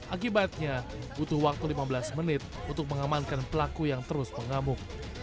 akibatnya butuh waktu lima belas menit untuk mengamankan pelaku yang terus mengamuk